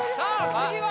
次は？